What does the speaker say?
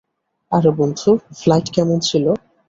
আরে বন্ধু - ফ্লাইট কেমন ছিল?